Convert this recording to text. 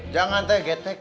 jangan teh getek